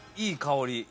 いい香り！